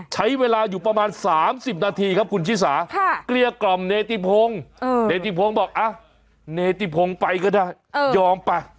ใช้เวลาอยู่ประมาณ๓๐นาทีครับคุณชิสาเกลี้ยกล่อมเนติพงศ์เนติพงศ์บอกเนติพงศ์ไปก็ได้ยอมไป